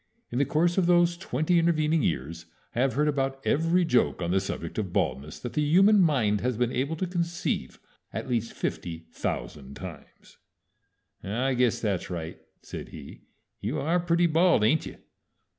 In the course of those twenty intervening years I have heard about every joke on the subject of baldness that the human mind has been able to conceive at least fifty thousand times." "I guess that's right," said he. "You are pretty bald, ain't you?"